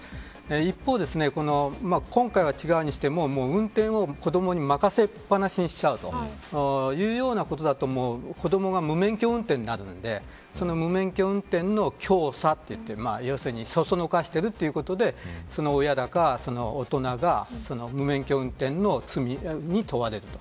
一方で、今回は違うにしても運転を子どもに任せっぱなしにしちゃうというようようなことがあって子どもが無免許運転になるんでその無免許運転の教唆といって、要するにそそのかしているということで親だか、大人が、無免許運転の罪に問われると。